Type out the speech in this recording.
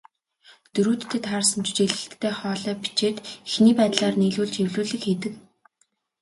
Дүрүүддээ таарсан жүжиглэлттэй хоолой бичээд, эхний байдлаар нийлүүлж эвлүүлэг хийдэг.